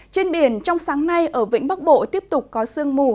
trên biển trong sáng nay ở vĩnh bắc bộ tiếp tục có sương mù